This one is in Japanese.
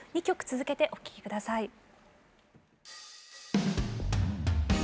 ２曲続けてお聴き下さい。